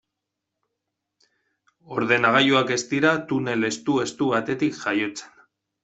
Ordenagailuak ez dira tunel estu-estu batetik jaiotzen.